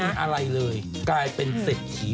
จากไม่มีอะไรเลยกลายเป็นเศรษฐี